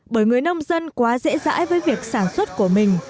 bởi người nông dân quá dễ dãi với việc sản xuất của mình